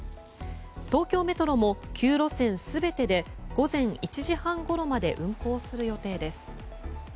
東京メトロも９路線全てで午前１時半ごろまで運行する予定です。